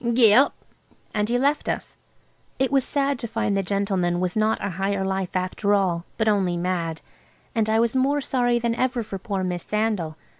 Gee up!" And he left us. It was sad to find the gentleman was not a Higher Life after all, but only mad. And I was more sorry than ever for poor Miss Sandal.